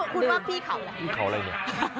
คุณว่าพี่เขาอะไรเขาไม่รู้เหมือนกัน